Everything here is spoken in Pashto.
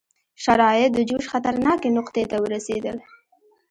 شرایط د جوش خطرناکې نقطې ته ورسېدل.